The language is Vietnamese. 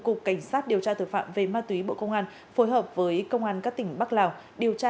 cục cảnh sát điều tra tội phạm về ma túy bộ công an phối hợp với công an các tỉnh bắc lào điều tra